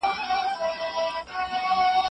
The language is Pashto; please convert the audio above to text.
کړنې د خبرو په پرتله ډیر اغیز لري.